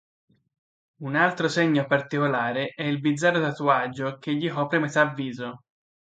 Un altro segno particolare è il bizzarro tatuaggio che gli copre metà viso.